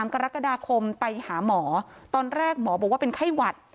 กรกฎาคมไปหาหมอตอนแรกหมอบอกว่าเป็นไข้หวัด